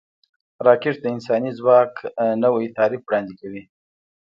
راکټ د انساني ځواک نوی تعریف وړاندې کوي